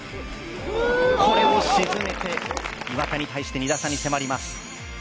これも沈めて岩田に対して２打差に迫ります。